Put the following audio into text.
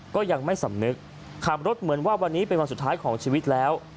ก็ยังไม่สำนึกขับรถเหมือนว่าวันนี้เป็นวันสุดท้ายของชีวิตแล้ว